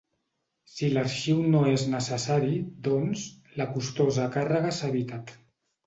Si l'arxiu no és necessari, doncs, la costosa càrrega s'ha evitat.